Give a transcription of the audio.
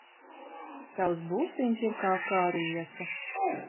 Tavs busiņš ir kā kariete.